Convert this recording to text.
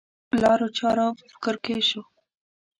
لارو چارو په فکر کې شو.